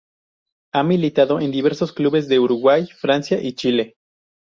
Ha militado en diversos clubes de Uruguay, Francia y Chile.